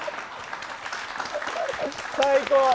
最高！